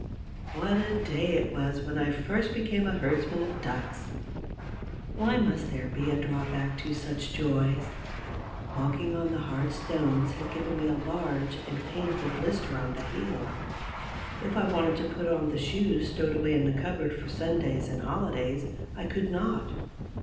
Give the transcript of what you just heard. What a day it was when I first became a herdsman of ducks! Why must there be a drawback to such joys? Walking on the hard stones had given me a large and painful blister on the heel. If I had wanted to put on the shoes stowed away in the cupboard for Sundays and holidays, I could not.